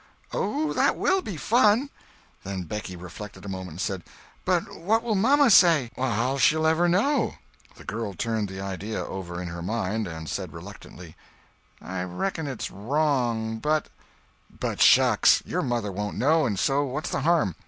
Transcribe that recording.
"Oh, that will be fun!" Then Becky reflected a moment and said: "But what will mamma say?" "How'll she ever know?" The girl turned the idea over in her mind, and said reluctantly: "I reckon it's wrong—but—" "But shucks! Your mother won't know, and so what's the harm?